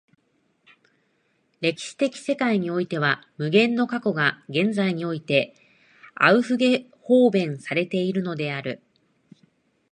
歴史的世界においては無限の過去が現在においてアウフゲホーベンされているのである。